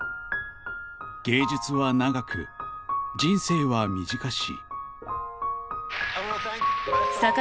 「芸術は長く、人生は短し」。